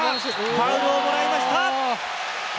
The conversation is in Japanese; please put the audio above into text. ファウルをもらいました。